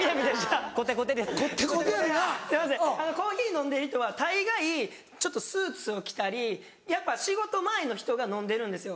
コーヒー飲んでる人は大概ちょっとスーツを着たりやっぱ仕事前の人が飲んでるんですよ。